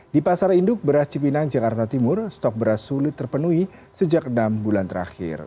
di pasar induk beras cipinang jakarta timur stok beras sulit terpenuhi sejak enam bulan terakhir